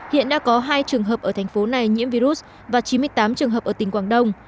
hiện đã có hai trường hợp ở thành phố này nhiễm virus và chín mươi tám trường hợp ở tỉnh quảng đông